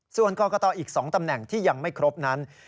ส่วนกรกตอีก๒ตำแหน่งที่ยังไม่ครบนั้น